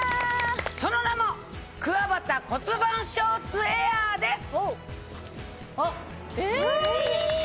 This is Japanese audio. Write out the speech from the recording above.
その名もくわばた骨盤ショーツエアーです。え！